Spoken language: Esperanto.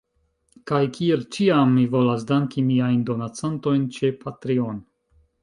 Kaj kiel ĉiam, mi volas danki miajn donacantojn ĉe Patreon.